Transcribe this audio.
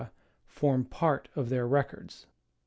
form part of their records.